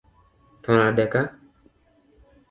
To nade ka